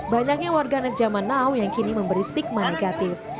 banyaknya warganet zaman now yang kini memberi stigma negatif